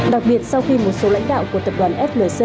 đặc biệt sau khi một số lãnh đạo của tập đoàn flc